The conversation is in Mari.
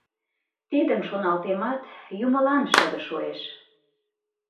Тидым шоналтемат, юмылан шыде шуэш...